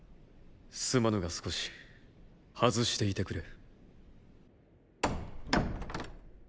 すまぬが少し外していてくれ。